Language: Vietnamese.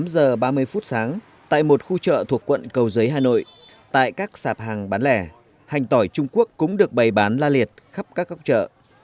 tám giờ ba mươi phút sáng tại một khu chợ thuộc quận cầu giấy hà nội tại các sạp hàng bán lẻ hành tỏi trung quốc cũng được bày bán la liệt khắp các góc chợ